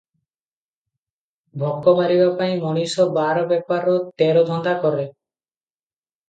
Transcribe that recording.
ଭୋକ ମାରିବା ପାଇଁ ମଣିଷ ବାର ବେପାର ତେର ଧନ୍ଦା କରେ ।